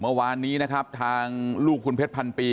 เมื่อวานนี้นะครับทางลูกคุณเพชรพันปี